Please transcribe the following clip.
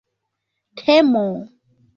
temo